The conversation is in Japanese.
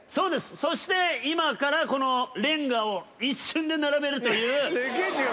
そして今からこのレンガを一瞬で並べるという。